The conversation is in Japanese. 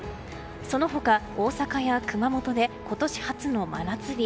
その他、大阪や熊本で今年初の真夏日。